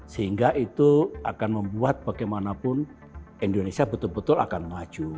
sehingga itu akan membuat bagaimanapun indonesia betul betul akan maju